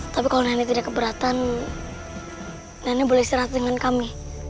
tapi kalau nenek tidak keberatan nenek boleh istirahat dengan kami